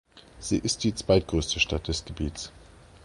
Sie ist die zweitgrößte Stadt des Gebiets.